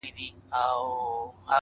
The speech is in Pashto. پاچا ورغى د خپل بخت هديرې ته٫